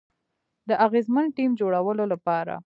د اغیزمن ټیم جوړولو لپاره